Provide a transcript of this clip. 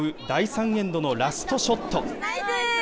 第３エンドのラストショット。